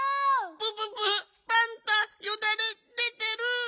プププパンタよだれ出てる！